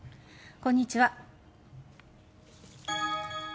こんにちは。